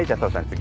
次。